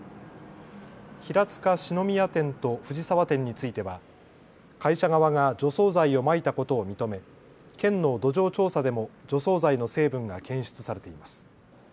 平塚四之宮店と藤沢店については会社側が除草剤をまいたことを認め、県の土壌調査でも除草剤の成分が検出されています。